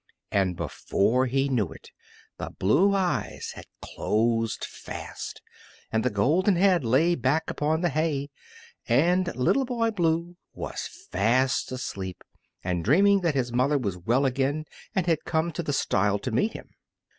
And before he knew it the blue eyes had closed fast, and the golden head lay back upon the hay, and Little Boy Blue was fast asleep and dreaming that his mother was well again and had come to the stile to meet him.